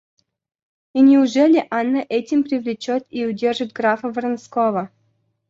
И неужели Анна этим привлечет и удержит графа Вронского?